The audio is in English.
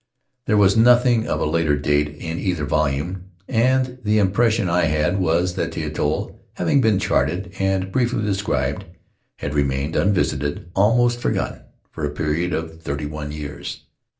There was nothing of a later date in either volume, and the impression I had was that the atoll, having been charted and briefly described, had remained unvisited, almost forgotten, for a period of tbirty one years.